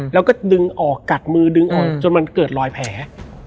แล้วก็ดึงออกกัดมือดึงออกจนมันเกิดรอยแผล